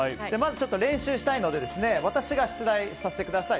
練習したいので私に出題させてください。